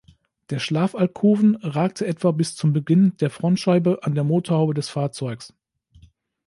Der Schlaf-Alkoven ragte etwa bis zum Beginn der Frontscheibe an der Motorhaube des Fahrzeugs.